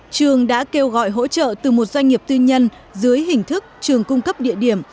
trường đã kêu gọi hỗ trợ từ một doanh nghiệp tư nhân dưới hình thức trường cung cấp địa điểm